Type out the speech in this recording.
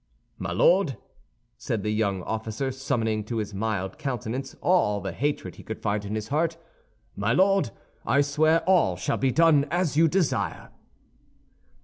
"My Lord," said the young officer, summoning to his mild countenance all the hatred he could find in his heart, "my Lord, I swear all shall be done as you desire."